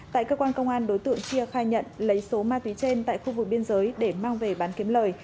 tại cơ quan công an đối tượng chia khai nhận lấy số ma túy trên tại khu vực biên giới để mang về bán kiếm lời